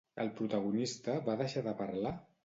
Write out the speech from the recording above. El protagonista va deixar de parlar?